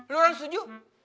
lo orang setuju